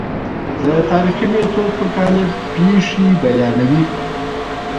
د تاریخي میتود پر قالب پېښې بیانوي.